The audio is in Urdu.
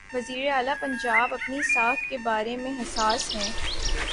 وزیر اعلی پنجاب اپنی ساکھ کے بارے میں حساس ہیں۔